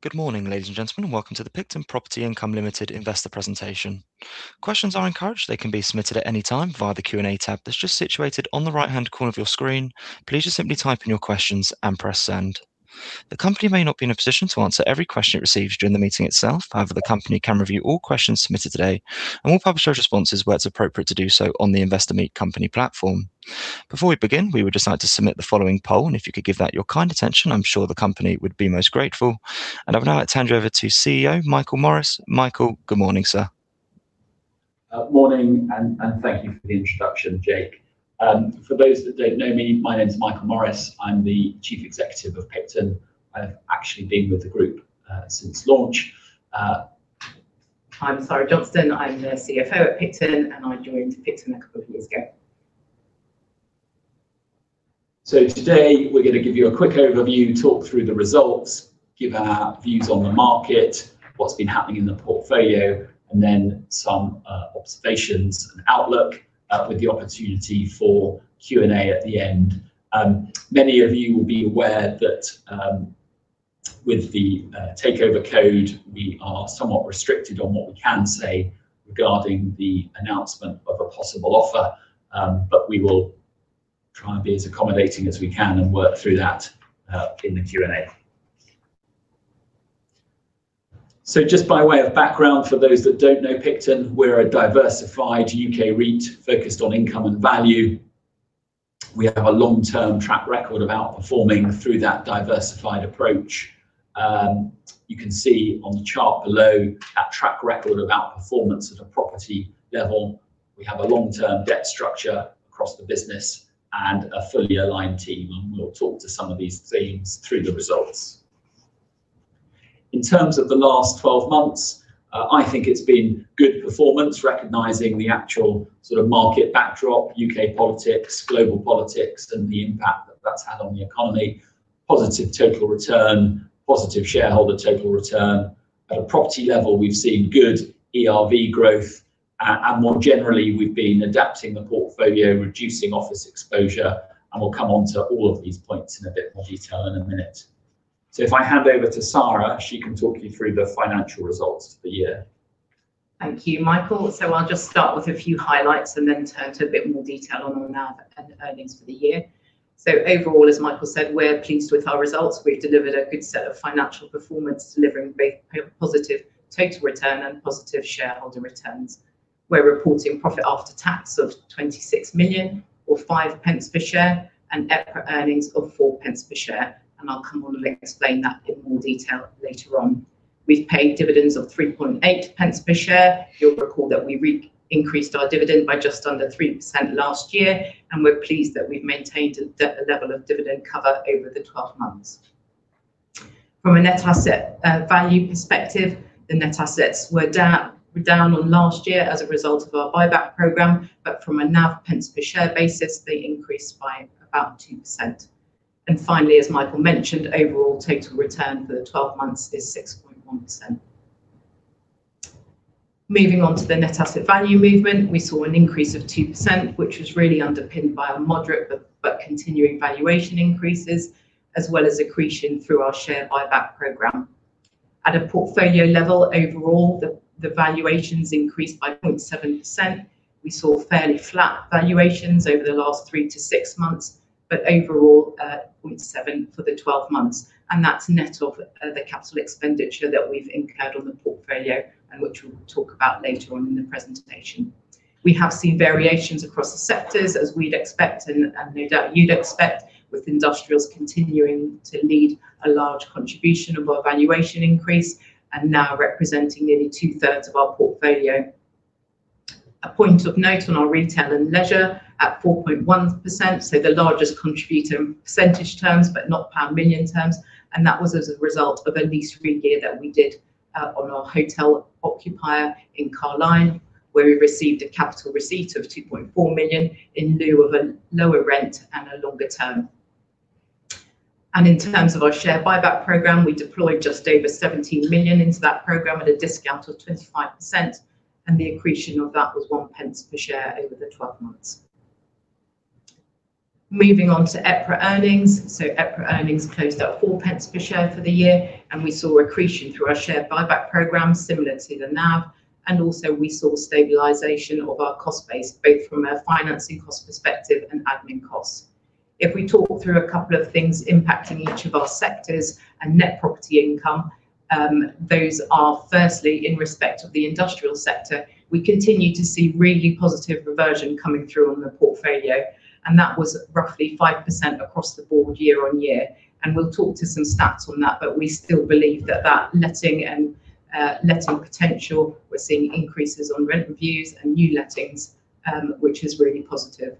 Good morning, ladies and gentlemen, welcome to the Picton Property Income Limited investor presentation. Questions are encouraged. They can be submitted at any time via the Q&A tab that's just situated on the right-hand corner of your screen. Please just simply type in your questions and press send. The company may not be in a position to answer every question it receives during the meeting itself. However, the company can review all questions submitted today, and we'll publish our responses where it's appropriate to do so on the Investor Meet Company platform. Before we begin, we would just like to submit the following poll, if you could give that your kind attention, I'm sure the company would be most grateful. I'll now hand you over to CEO, Michael Morris. Michael, good morning, sir. Morning, thank you for the introduction, Jake. For those that don't know me, my name's Michael Morris. I'm the Chief Executive of Picton. I've actually been with the group since launch. I'm Saira Johnston. I'm the CFO at Picton, I joined Picton a couple of years ago. Today, we're going to give you a quick overview, talk through the results, give our views on the market, what's been happening in the portfolio, then some observations and outlook with the opportunity for Q&A at the end. Many of you will be aware that with the Takeover Code, we are somewhat restricted on what we can say regarding the announcement of a possible offer, we will try and be as accommodating as we can work through that in the Q&A. Just by way of background, for those that don't know Picton, we're a diversified UK REIT focused on income and value. We have a long-term track record of outperforming through that diversified approach. You can see on the chart below our track record of outperformance at a property level. We have a long-term debt structure across the business and a fully aligned team. We'll talk to some of these themes through the results. In terms of the last 12 months, I think it's been good performance, recognizing the actual sort of market backdrop, U.K. politics, global politics, and the impact that that's had on the economy. Positive total return, positive shareholder total return. At a property level, we've seen good ERV growth. More generally, we've been adapting the portfolio, reducing office exposure. We'll come onto all of these points in a bit more detail in a minute. If I hand over to Saira, she can talk you through the financial results for the year. Thank you, Michael. I'll just start with a few highlights and then turn to a bit more detail on our NAV and earnings for the year. Overall, as Michael said, we're pleased with our results. We've delivered a good set of financial performance, delivering both positive total return and positive shareholder returns. We're reporting profit after tax of 26 million or 0.05 per share, and EPRA earnings of 0.04 per share. I'll come on and explain that in more detail later on. We've paid dividends of 0.038 per share. You'll recall that we increased our dividend by just under 3% last year. We're pleased that we've maintained a level of dividend cover over the 12 months. From a net asset value perspective, the net assets were down on last year as a result of our buyback program, but from a NAV pence per share basis, they increased by about 2%. Finally, as Michael mentioned, overall total return for the 12 months is 6.1%. Moving on to the net asset value movement, we saw an increase of 2%, which was really underpinned by a moderate but continuing valuation increases, as well as accretion through our share buyback program. At a portfolio level, overall, the valuations increased by 0.7%. We saw fairly flat valuations over the last three to six months, but overall, 0.7% for the 12 months. That's net of the CapEx that we've incurred on the portfolio and which we'll talk about later on in the presentation. We have seen variations across the sectors, as we'd expect and no doubt you'd expect, with industrials continuing to lead a large contribution of our valuation increase and now representing nearly 2/3 of our portfolio. A point of note on our retail and leisure, at 4.1%, the largest contributor in percentage terms, but not pound million terms. That was as a result of a lease regear that we did on our hotel occupier in Carlisle, where we received a capital receipt of 2.4 million in lieu of a lower rent and a longer term. In terms of our share buyback program, we deployed just over 17 million into that program at a discount of 25%. The accretion of that was 0.01 per share over the 12 months. Moving on to EPRA earnings. EPRA earnings closed at 0.04 per share for the year, and we saw accretion through our share buyback program, similar to the NAV. Also, we saw stabilization of our cost base, both from a financing cost perspective and admin costs. If we talk through a couple of things impacting each of our sectors and net property income, those are, firstly, in respect of the industrial sector. We continue to see really positive reversion coming through on the portfolio, and that was roughly 5% across the board year-over-year. We'll talk to some stats on that, but we still believe that that letting potential, we're seeing increases on rent reviews and new lettings, which is really positive.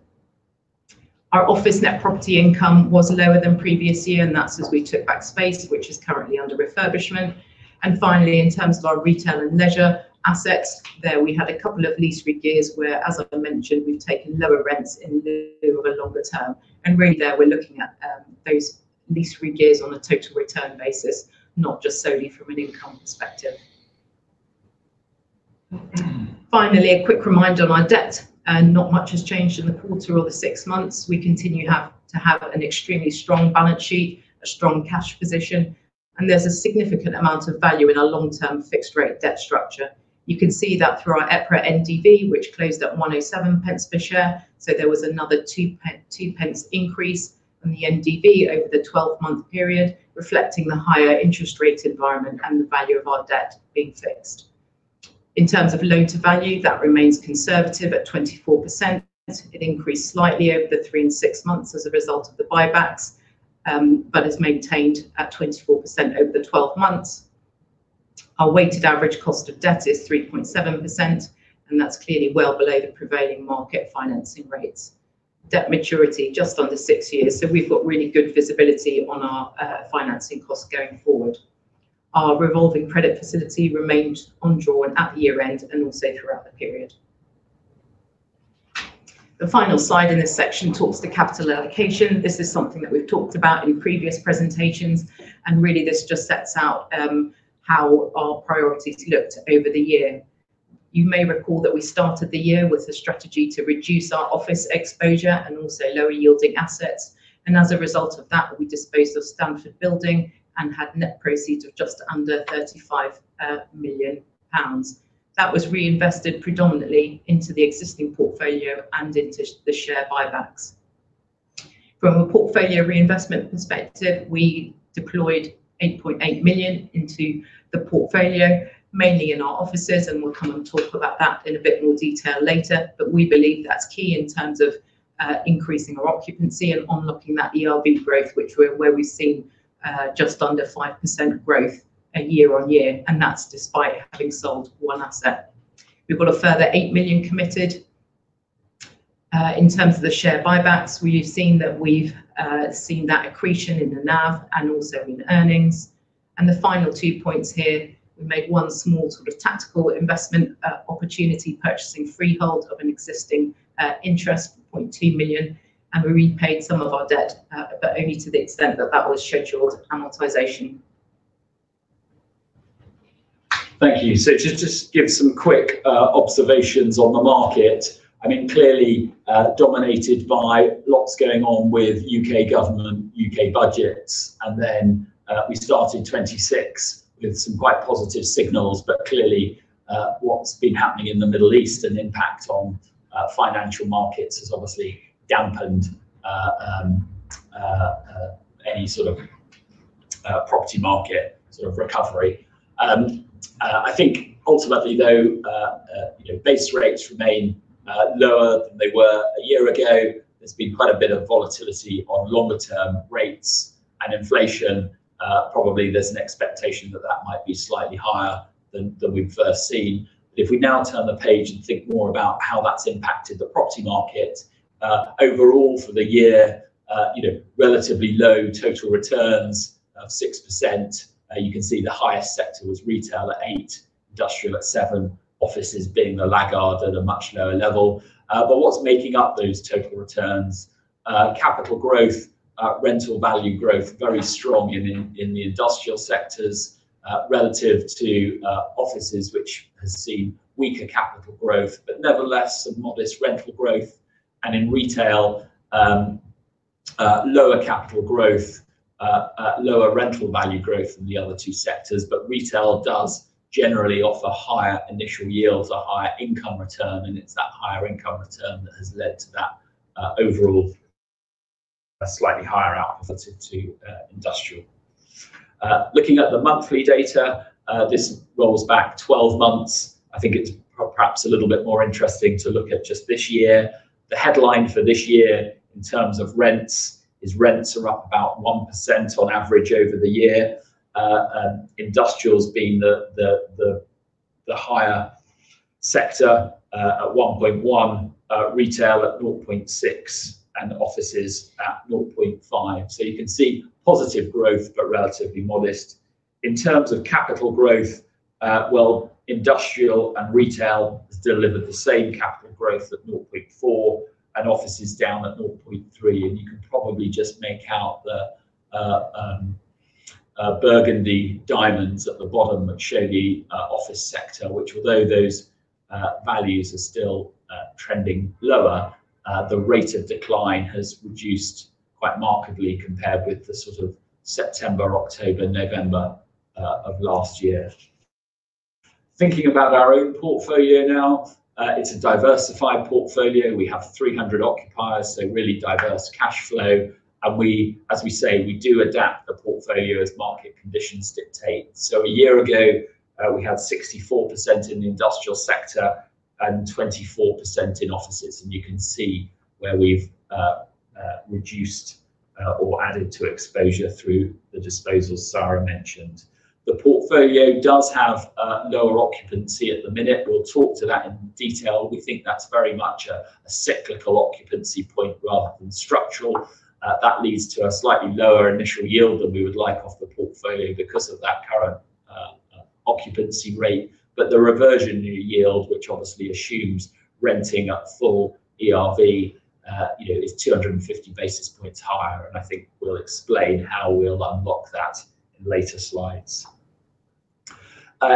Our office net property income was lower than previous year, that's as we took back space, which is currently under refurbishment. Finally, in terms of our retail and leisure assets, there we had a couple of lease regears where, as I mentioned, we've taken lower rents in lieu of a longer term. Really there, we're looking at those lease regears on a total return basis, not just solely from an income perspective. Finally, a quick reminder on our debt. Not much has changed in the quarter or the six months. We continue to have an extremely strong balance sheet, a strong cash position, and there's a significant amount of value in our long-term fixed rate debt structure. You can see that through our EPRA NDV, which closed at 1.07 per share. There was another 0.02 increase on the NDV over the 12-month period, reflecting the higher interest rate environment and the value of our debt being fixed. In terms of loan to value, that remains conservative at 24%. It increased slightly over the three and six months as a result of the buybacks, but has maintained at 24% over the 12 months. Our weighted average cost of debt is 3.7%, that's clearly well below the prevailing market financing rates. Debt maturity, just under six years, we've got really good visibility on our financing costs going forward. Our revolving credit facility remained undrawn at year-end and also throughout the period. The final slide in this section talks to capital allocation. This is something that we've talked about in previous presentations, really this just sets out how our priorities looked over the year. You may recall that we started the year with a strategy to reduce our office exposure and also lower yielding assets, and as a result of that, we disposed of Stanford Building and had net proceeds of just under 35 million pounds. That was reinvested predominantly into the existing portfolio and into the share buybacks. From a portfolio reinvestment perspective, we deployed 8.8 million into the portfolio, mainly in our offices, we'll come and talk about that in a bit more detail later. We believe that's key in terms of increasing our occupancy and unlocking that ERV growth, where we've seen just under 5% growth year-over-year, that's despite having sold one asset. We've got a further 8 million committed. In terms of the share buybacks, we've seen that accretion in the NAV and also in earnings. The final two points here, we made one small sort of tactical investment opportunity, purchasing freehold of an existing interest for 0.2 million, and we repaid some of our debt, but only to the extent that was scheduled amortization. Thank you. To just give some quick observations on the market, clearly dominated by lots going on with U.K. government, U.K. budgets, and then we started 2026 with some quite positive signals. Clearly, what's been happening in the Middle East and impact on financial markets has obviously dampened any sort of property market recovery. I think ultimately, though, base rates remain lower than they were a year ago. There's been quite a bit of volatility on longer term rates and inflation. Probably there's an expectation that might be slightly higher than we've first seen. If we now turn the page and think more about how that's impacted the property market, overall for the year, relatively low total returns of 6%. You can see the highest sector was retail at 8%, industrial at 7%, offices being the laggard at a much lower level. What's making up those total returns? Capital growth, rental value growth, very strong in the industrial sectors relative to offices, which has seen weaker capital growth, but nevertheless, some modest rental growth. In retail, lower capital growth, lower rental value growth than the other two sectors. Retail does generally offer higher initial yields or higher income return, and it's that higher income return that has led to that overall slightly higher output to industrial. Looking at the monthly data, this rolls back 12 months. I think it's perhaps a little bit more interesting to look at just this year. The headline for this year in terms of rents is rents are up about 1% on average over the year, industrials being the higher sector at 1.1%, retail at 0.6%, and offices at 0.5%. You can see positive growth, but relatively modest. In terms of capital growth, well, industrial and retail has delivered the same capital growth at 0.4%, office is down at 0.3%, and you can probably just make out the burgundy diamonds at the bottom that show the office sector, which although those values are still trending lower, the rate of decline has reduced quite markedly compared with the sort of September, October, November of last year. Thinking about our own portfolio now, it's a diversified portfolio. We have 300 occupiers, so really diverse cash flow, as we say, we do adapt the portfolio as market conditions dictate. A year ago, we had 64% in the industrial sector and 24% in offices, and you can see where we've reduced or added to exposure through the disposals Saira mentioned. The portfolio does have lower occupancy at the minute. We'll talk to that in detail. We think that's very much a cyclical occupancy point rather than structural. That leads to a slightly lower initial yield than we would like off the portfolio because of that current occupancy rate. The reversionary yield, which obviously assumes renting at full ERV is 250 basis points higher, and I think we'll explain how we'll unlock that in later slides.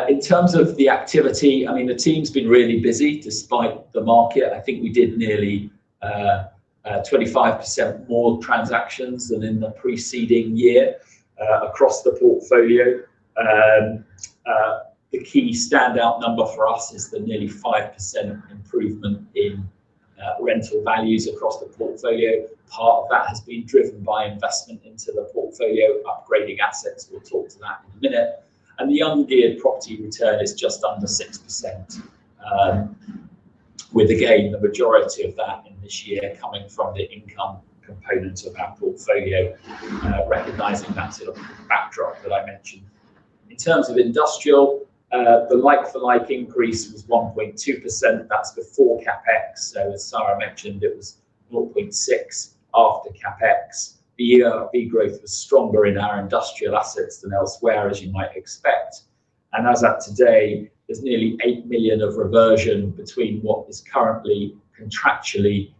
In terms of the activity, the team's been really busy despite the market. I think we did nearly 25% more transactions than in the preceding year across the portfolio. The key standout number for us is the nearly 5% improvement in rental values across the portfolio. Part of that has been driven by investment into the portfolio, upgrading assets, we'll talk to that in a minute. The ungeared property return is just under 6%, with again, the majority of that in this year coming from the income component of our portfolio, recognizing that backdrop that I mentioned. In terms of industrial, the like-for-like increase was 1.2%. That's before CapEx, so as Saira mentioned, it was 0.6% after CapEx. The ERV growth was stronger in our industrial assets than elsewhere, as you might expect. As at today, there's nearly 8 million of reversion between what is currently contractually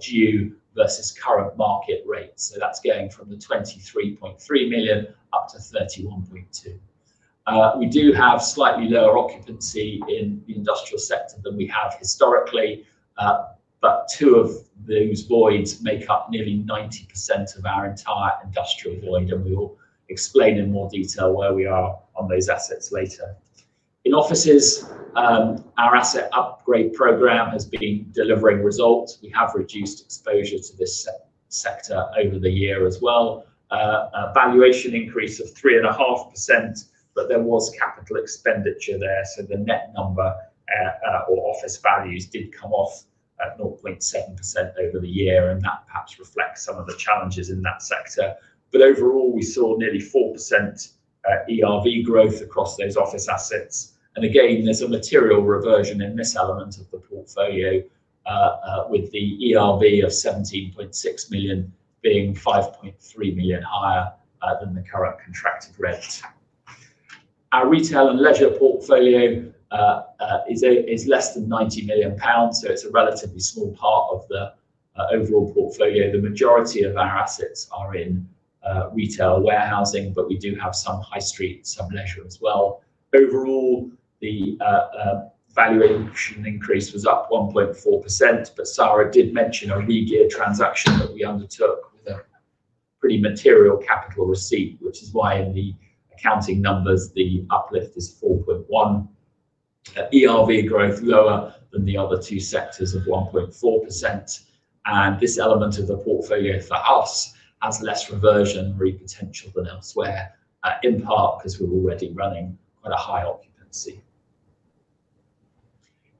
due versus current market rates. That's going from the 23.3 million up to 31.2 million. We do have slightly lower occupancy in the industrial sector than we have historically. Two of those voids make up nearly 90% of our entire industrial void, and we will explain in more detail where we are on those assets later. In offices, our asset upgrade program has been delivering results. We have reduced exposure to this sector over the year as well. A valuation increase of 3.5%, there was capital expenditure there, so the net number or office values did come off at 0.7% over the year, and that perhaps reflects some of the challenges in that sector. Overall, we saw nearly 4% ERV growth across those office assets. Again, there's a material reversion in this element of the portfolio, with the ERV of 17.6 million being 5.3 million higher than the current contracted rent. Our retail and leisure portfolio is less than 90 million pounds, so it's a relatively small part of the overall portfolio. The majority of our assets are in retail warehousing, but we do have some high street and some leisure as well. Overall, the valuation increase was up 1.4%, Saira did mention a regear transaction that we undertook with a pretty material capital receipt, which is why in the accounting numbers, the uplift is 4.1%. ERV growth lower than the other two sectors of 1.4%. This element of the portfolio for us has less reversionary potential than elsewhere, in part because we're already running quite a high occupancy.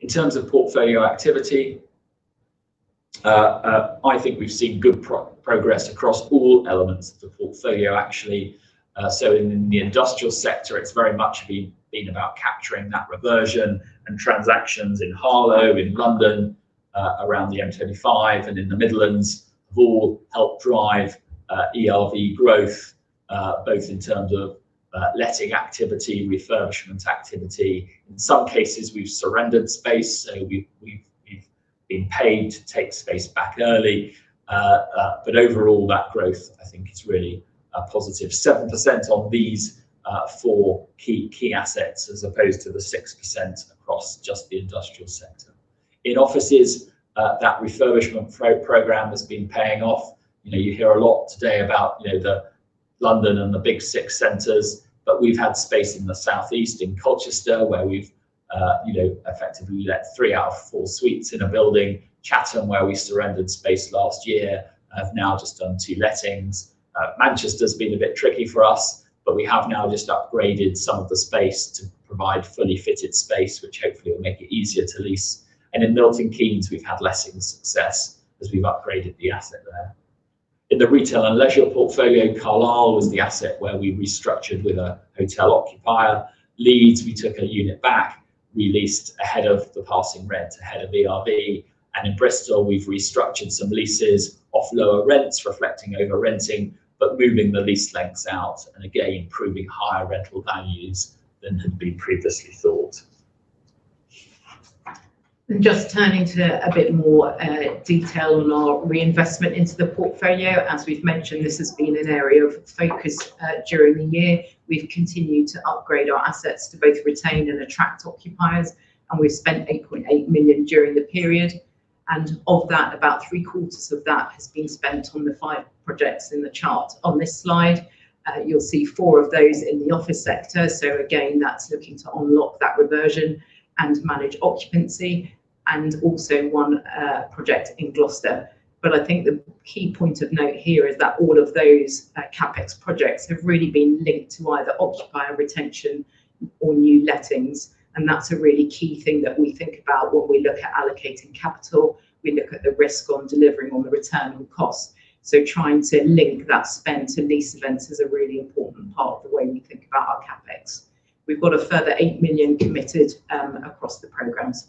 In terms of portfolio activity, I think we've seen good progress across all elements of the portfolio, actually. In the industrial sector, it's very much been about capturing that reversion and transactions in Harlow, in London, around the M25 and in the Midlands have all helped drive ERV growth, both in terms of letting activity, refurbishment activity. In some cases, we've surrendered space, so we've been paid to take space back early. Overall, that growth, I think, is really a +7% on these four key assets as opposed to the 6% across just the industrial sector. In offices, that refurbishment program has been paying off. You hear a lot today about London and the big six centers, but we've had space in the Southeast in Colchester where we've effectively let three out of four suites in a building. Chatham, where we surrendered space last year, have now just done two lettings. Manchester's been a bit tricky for us, but we have now just upgraded some of the space to provide fully fitted space, which hopefully will make it easier to lease. In Milton Keynes, we've had letting success as we've upgraded the asset there. In the retail and leisure portfolio, Carlisle was the asset where we restructured with a hotel occupier. Leeds, we took a unit back. Re-leased ahead of the passing rent, ahead of ERV. In Bristol, we've restructured some leases off lower rents, reflecting over-renting, but moving the lease lengths out, and again, proving higher rental values than had been previously thought. Just turning to a bit more detail on our reinvestment into the portfolio. As we've mentioned, this has been an area of focus during the year. We've continued to upgrade our assets to both retain and attract occupiers, and we've spent 8.8 million during the period. Of that, about three quarters of that has been spent on the five projects in the chart on this slide. You'll see four of those in the office sector. Again, that's looking to unlock that reversion and manage occupancy, and also one project in Gloucester. I think the key point of note here is that all of those CapEx projects have really been linked to either occupier retention or new lettings, and that's a really key thing that we think about when we look at allocating capital. We look at the risk on delivering on the return on costs. Trying to link that spend to lease events is a really important part of the way we think about our CapEx. We've got a further 8 million committed across the programs.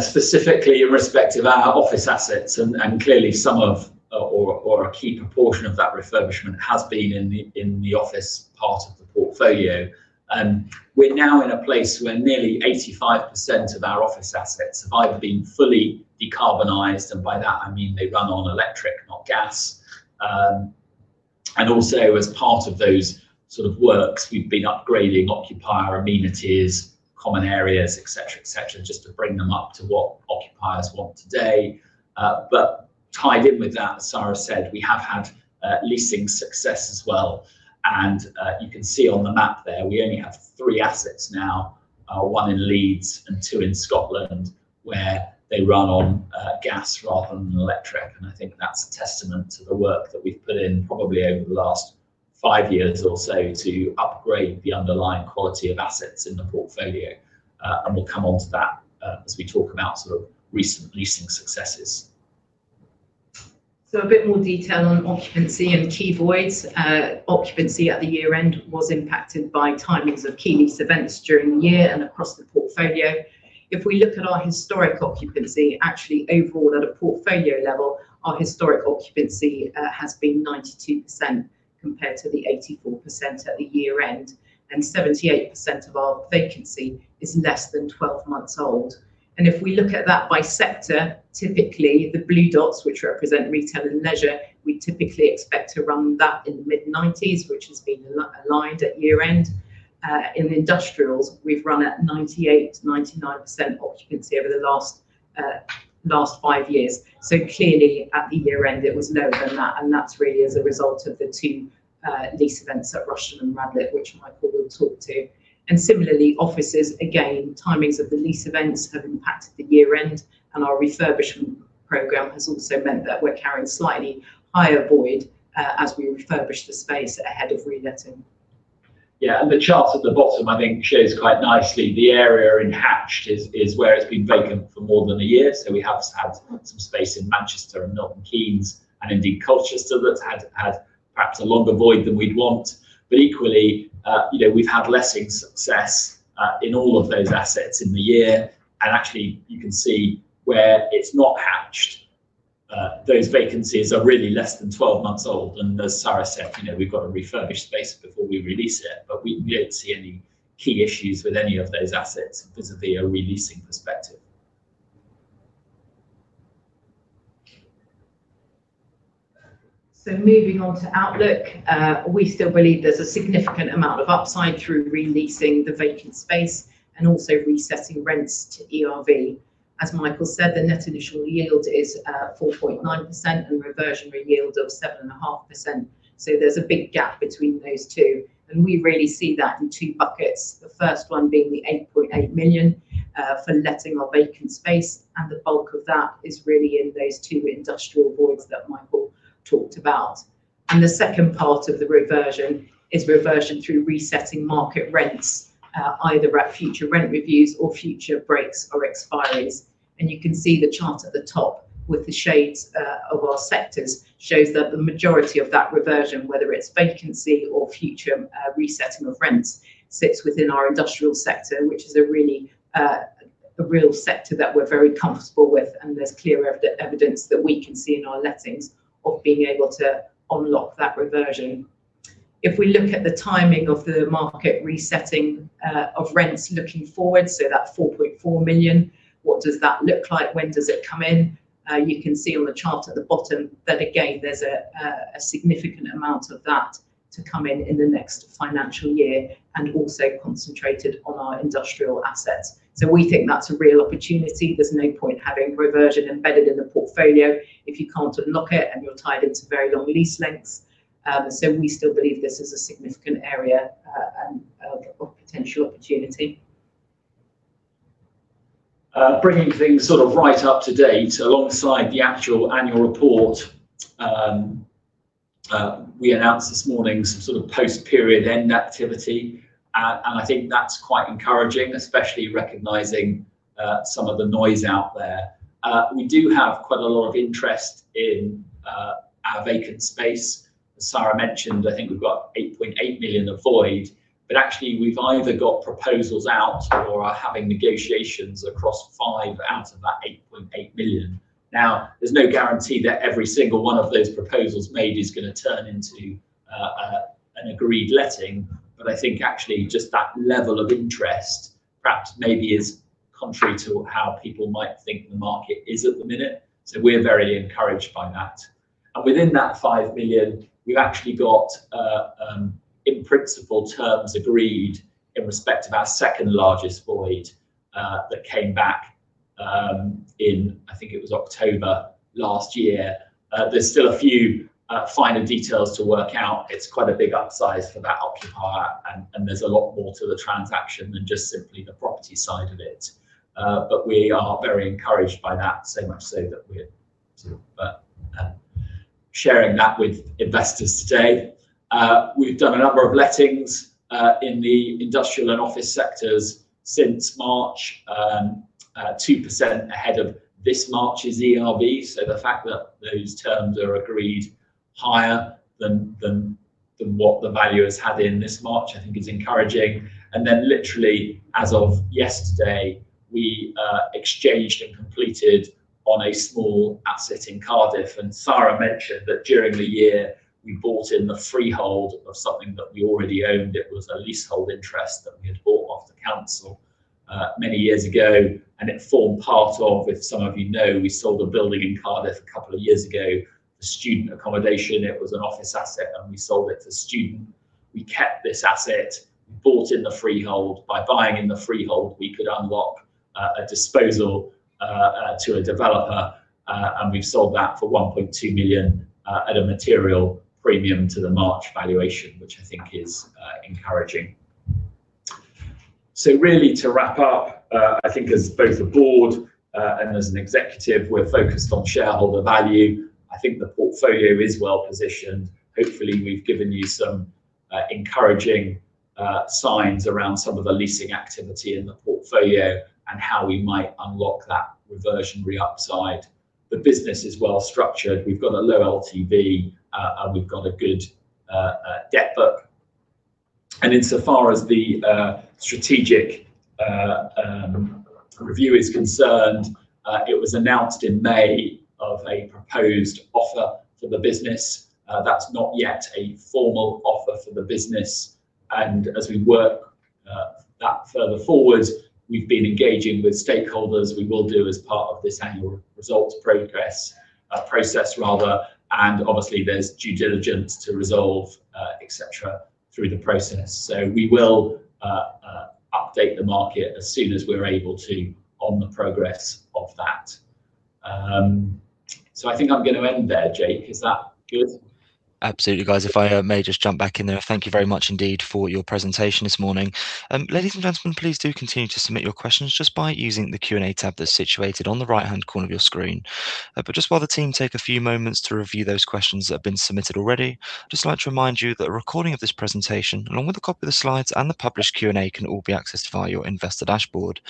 Specifically in respect of our office assets, clearly some of, or a key proportion of that refurbishment has been in the office part of the portfolio. We're now in a place where nearly 85% of our office assets have either been fully decarbonized, by that I mean they run on electric, not gas. Also as part of those sort of works, we've been upgrading occupier amenities, common areas, et cetera, just to bring them up to what occupiers want today. Tied in with that, as Saira said, we have had leasing success as well. You can see on the map there, we only have three assets now, one in Leeds and two in Scotland, where they run on gas rather than electric. I think that's a testament to the work that we've put in probably over the last five years or so to upgrade the underlying quality of assets in the portfolio. We'll come onto that, as we talk about sort of recent leasing successes. A bit more detail on occupancy and key voids. Occupancy at the year-end was impacted by timings of key lease events during the year and across the portfolio. If we look at our historic occupancy, actually overall at a portfolio level, our historic occupancy has been 92% compared to the 84% at the year-end, and 78% of our vacancy is less than 12 months old. If we look at that by sector, typically the blue dots, which represent retail and leisure, we typically expect to run that in the mid 90s%, which has been aligned at year-end. In industrials, we've run at 98%, 99% occupancy over the last five years. Clearly at the year-end it was lower than that, and that's really as a result of the two lease events at Rushden and Radlett, which Michael will talk to. Similarly, offices, again, timings of the lease events have impacted the year-end. Our refurbishment program has also meant that we're carrying slightly higher void, as we refurbish the space ahead of reletting. The chart at the bottom I think shows quite nicely the area in hatched is where it's been vacant for more than a year. We have had some space in Manchester and Milton Keynes and indeed Colchester that's had perhaps a longer void than we'd want. Equally, we've had letting success, in all of those assets in the year. Actually you can see where it's not hatched, those vacancies are really less than 12 months old. As Saira said, we've got to refurbish space before we re-lease it, but we don't see any key issues with any of those assets vis-a-vis a re-leasing perspective. Moving on to outlook. We still believe there's a significant amount of upside through re-leasing the vacant space and also resetting rents to ERV. As Michael said, the net initial yield is 4.9% and reversionary yield of 7.5%. There's a big gap between those two, and we really see that in two buckets. The first one being the 8.8 million, for letting our vacant space. The bulk of that is really in those two industrial voids that Michael talked about. The second part of the reversion is reversion through resetting market rents, either at future rent reviews or future breaks or expiries. You can see the chart at the top with the shades of our sectors shows that the majority of that reversion, whether it's vacancy or future resetting of rents, sits within our industrial sector, which is a real sector that we're very comfortable with, there's clear evidence that we can see in our lettings of being able to unlock that reversion. If we look at the timing of the market resetting of rents looking forward, that 4.4 million, what does that look like? When does it come in? You can see on the chart at the bottom that again, there's a significant amount of that to come in in the next financial year and also concentrated on our industrial assets. We think that's a real opportunity. There's no point having reversion embedded in the portfolio if you can't unlock it and you're tied into very long lease lengths. We still believe this is a significant area and of potential opportunity. Bringing things sort of right up to date, alongside the actual annual report, we announced this morning some sort of post period end activity. I think that is quite encouraging, especially recognizing some of the noise out there. We do have quite a lot of interest in our vacant space. As Saira mentioned, I think we've got 8.8 million of void, but actually we've either got proposals out or are having negotiations across five out of that 8.8 million. There is no guarantee that every single one of those proposals made is going to turn into an agreed letting. I think actually just that level of interest perhaps maybe is contrary to how people might think the market is at the minute. We are very encouraged by that. Within that 5 million, we've actually got, in principle terms, agreed in respect of our second largest void, that came back, in I think it was October last year. There is still a few finer details to work out. It is quite a big upsize for that occupier and there is a lot more to the transaction than just simply the property side of it. We are very encouraged by that. Much so that we're sort of sharing that with investors today. We've done a number of lettings in the industrial and office sectors since March, 2% ahead of this March's ERV. The fact that those terms are agreed higher than what the value has had in this March, I think is encouraging. Literally as of yesterday, we exchanged and completed on a small asset in Cardiff. Saira mentioned that during the year we bought in the freehold of something that we already owned. It was a leasehold interest that we had bought off the council many years ago, and it formed part of, as some of you know, we sold a building in Cardiff a couple of years ago for student accommodation. It was an office asset, and we sold it to student. We kept this asset, we bought in the freehold. By buying in the freehold, we could unlock a disposal to a developer, and we've sold that for 1.2 million at a material premium to the March valuation, which I think is encouraging. Really to wrap up, I think as both a board, and as an executive, we're focused on shareholder value. I think the portfolio is well-positioned. Hopefully, we've given you some encouraging signs around some of the leasing activity in the portfolio and how we might unlock that reversionary upside. The business is well-structured. We've got a low LTV, and we've got a good debt book. Insofar as the strategic review is concerned, it was announced in May of a proposed offer for the business. That's not yet a formal offer for the business, and as we work that further forward, we've been engaging with stakeholders, we will do as part of this annual results progress, process rather, and obviously there is due diligence to resolve, et cetera, through the process. We will update the market as soon as we're able to on the progress of that. I think I'm going to end there, Jake. Is that good? Absolutely, guys. If I may just jump back in there. Thank you very much indeed for your presentation this morning. Ladies and gentlemen, please do continue to submit your questions just by using the Q&A tab that's situated on the right-hand corner of your screen. Just while the team take a few moments to review those questions that have been submitted already, I'd just like to remind you that a recording of this presentation, along with a copy of the slides and the published Q&A, can all be accessed via your investor dashboard.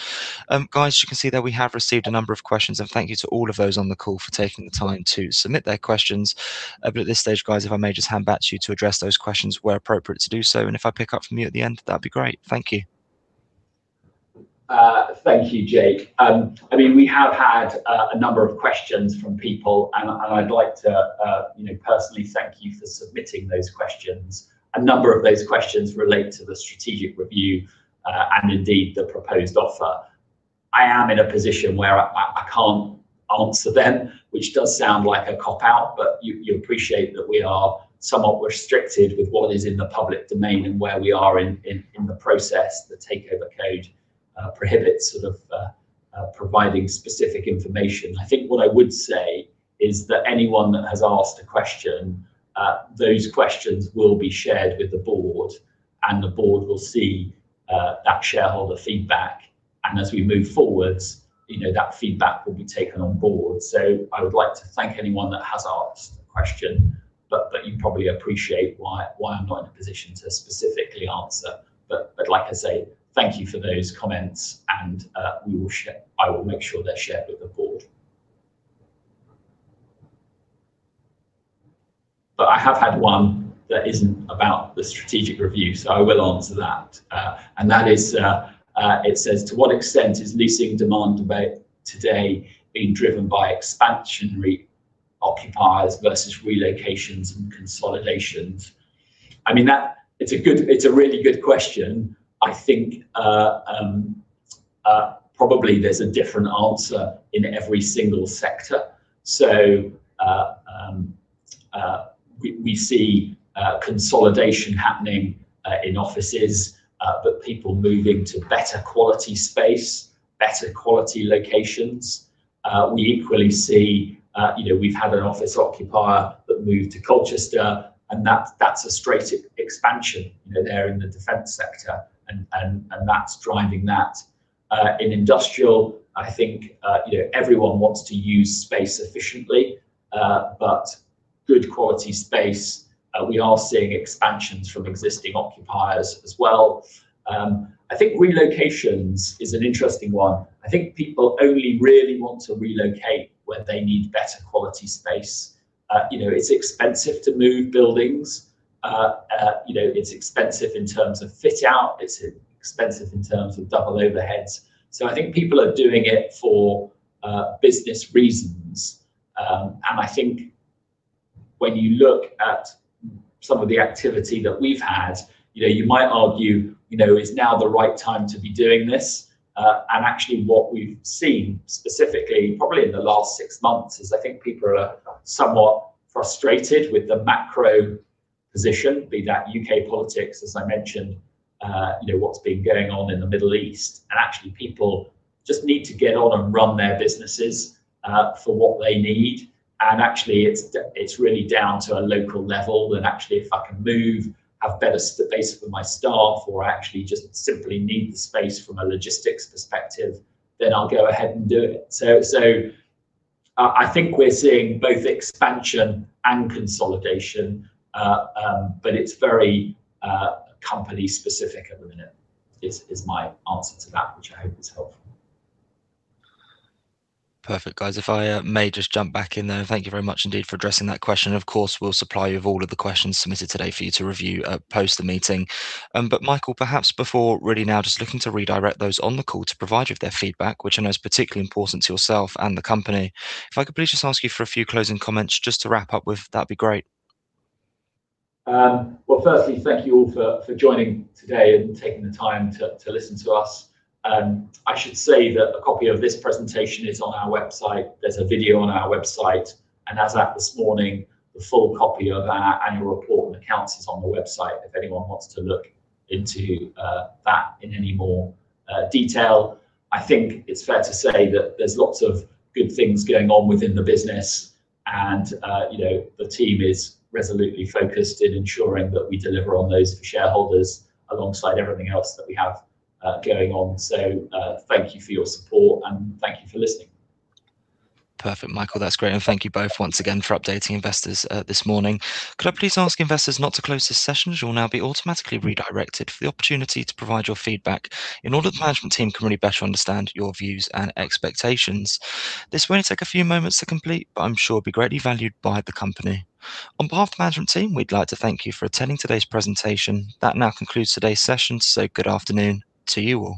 Guys, you can see there we have received a number of questions, and thank you to all of those on the call for taking the time to submit their questions. At this stage, guys, if I may just hand back to you to address those questions where appropriate to do so, and if I pick up from you at the end, that'd be great. Thank you. Thank you, Jake. We have had a number of questions from people, and I'd like to personally thank you for submitting those questions. A number of those questions relate to the strategic review, and indeed the proposed offer. I am in a position where I can't answer them, which does sound like a cop-out, but you appreciate that we are somewhat restricted with what is in the public domain and where we are in the process. The Takeover Code prohibits sort of providing specific information. I think what I would say is that anyone that has asked a question, those questions will be shared with the board, and the board will see that shareholder feedback. As we move forwards, that feedback will be taken on board. I would like to thank anyone that has asked a question, but you probably appreciate why I'm not in a position to specifically answer. I'd like to say thank you for those comments and I will make sure they're shared with the board. I have had one that isn't about the strategic review, so I will answer that. That is, it says, "To what extent is leasing demand today being driven by expansionary occupiers versus relocations and consolidations?" It's a really good question. I think probably there's a different answer in every single sector. We see consolidation happening in offices, but people moving to better quality space, better quality locations. We equally see, we've had an office occupier that moved to Colchester, and that's a straight expansion. They're in the defense sector, and that's driving that. In industrial, I think everyone wants to use space efficiently, but good quality space, we are seeing expansions from existing occupiers as well. I think relocations is an interesting one. I think people only really want to relocate when they need better quality space. It's expensive to move buildings. It's expensive in terms of fit-out. It's expensive in terms of double overheads. I think people are doing it for business reasons. I think when you look at some of the activity that we've had, you might argue, is now the right time to be doing this? Actually what we've seen specifically, probably in the last six months is I think people are somewhat frustrated with the macro position, be that U.K. politics, as I mentioned, what's been going on in the Middle East. Actually people just need to get on and run their businesses, for what they need. Actually it's really down to a local level and actually if I can move, have better space for my staff or actually just simply need the space from a logistics perspective, then I'll go ahead and do it. I think we're seeing both expansion and consolidation, but it's very company specific at the minute, is my answer to that, which I hope is helpful. Perfect. Guys, if I may just jump back in there. Thank you very much indeed for addressing that question. Of course, we'll supply you with all of the questions submitted today for you to review post the meeting. Michael, perhaps before really now just looking to redirect those on the call to provide you with their feedback, which I know is particularly important to yourself and the company, if I could please just ask you for a few closing comments just to wrap up with, that'd be great. Well, firstly, thank you all for joining today and taking the time to listen to us. I should say that a copy of this presentation is on our website. There's a video on our website, and as at this morning, the full copy of our annual report and accounts is on the website, if anyone wants to look into that in any more detail. I think it's fair to say that there's lots of good things going on within the business and the team is resolutely focused in ensuring that we deliver on those for shareholders alongside everything else that we have going on. Thank you for your support and thank you for listening. Perfect, Michael. That's great. Thank you both once again for updating investors this morning. Could I please ask investors not to close this session, as you will now be automatically redirected for the opportunity to provide your feedback in order the management team can really better understand your views and expectations. This will only take a few moments to complete, but I'm sure it'll be greatly valued by the company. On behalf of the management team, we'd like to thank you for attending today's presentation. That now concludes today's session. Good afternoon to you all.